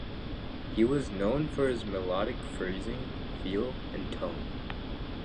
He was known for his melodic phrasing, feel, and tone.